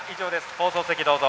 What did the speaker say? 放送席、どうぞ。